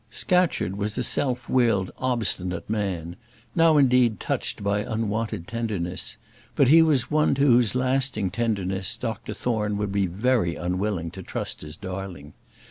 Scatcherd was a self willed, obstinate man now indeed touched by unwonted tenderness; but he was one to whose lasting tenderness Dr Thorne would be very unwilling to trust his darling.